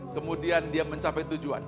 kemudian dia mencapai tujuan